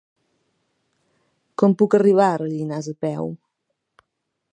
Com puc arribar a Rellinars a peu?